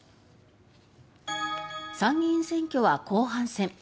参議院選挙は後半戦。